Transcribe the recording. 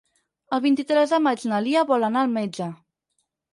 El vint-i-tres de maig na Lia vol anar al metge.